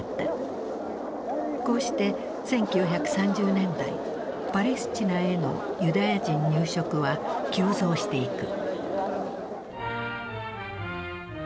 こうして１９３０年代パレスチナへのユダヤ人入植は急増していく。